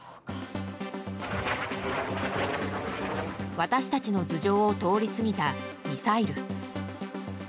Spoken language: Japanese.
私たちの頭上を通り過ぎたミサイル。